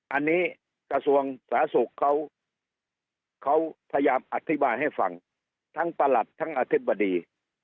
อันนี้กระทรวงสาธารณสุขเขาพยายามอธิบายให้ฟังทั้งประหลัดทั้งอธิบดี